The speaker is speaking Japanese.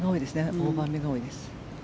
オーバーめが多いです。